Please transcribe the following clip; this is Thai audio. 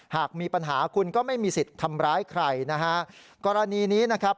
หากมีปัญหาคุณก็ไม่มีสิทธิ์ทำร้ายใครนะฮะกรณีนี้นะครับ